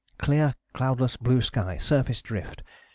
Clear cloudless blue sky, surface drift.